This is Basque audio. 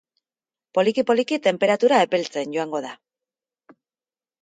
Poliki-poliki, tenperatura epeltzen joango da.